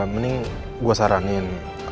mending gue saranin